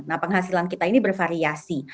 nah penghasilan kita ini bervariasi